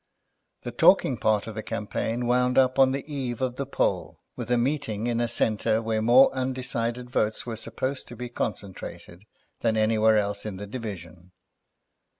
The talking part of the campaign wound up on the eve of the poll with a meeting in a centre where more undecided votes were supposed to be concentrated than anywhere else in the division.